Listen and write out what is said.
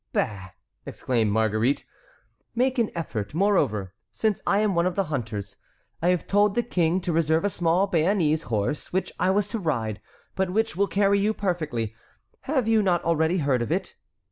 "Bah!" exclaimed Marguerite, "make an effort; moreover, since I am one of the hunters, I have told the King to reserve a small Béarnese horse which I was to ride, but which will carry you perfectly. Have you not already heard of it?"